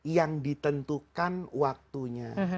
yang ditentukan waktunya